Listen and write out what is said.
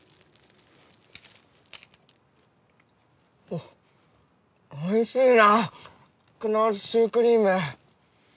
おおいしいなこのシュークリーム。